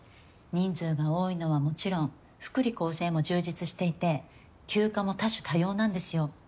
人数が多いのはもちろん福利厚生も充実していて休暇も多種多様なんですよ。